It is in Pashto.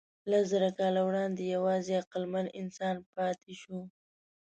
لسزره کاله وړاندې یواځې عقلمن انسان پاتې شو.